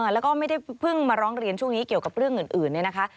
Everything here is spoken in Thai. แล้วก็ไม่ได้เพิ่งมาร้องเรียนช่วงนี้เกี่ยวกับเรื่องอื่นเนี่ยนะคะ